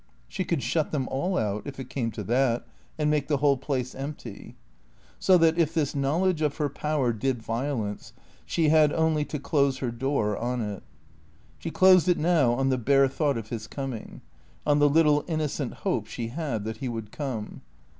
She could shut them all out, if it came to that, and make the whole place empty. So that, if this knowledge of her power did violence, she had only to close her door on it. She closed it now on the bare thought of his coming; on the little innocent hope she had that he would come.